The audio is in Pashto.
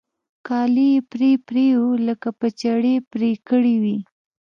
كالي يې پرې پرې وو لکه په چړې پرې كړي وي.